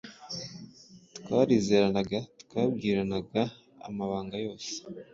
twarizeranaga, twabwiranaga amabanga yose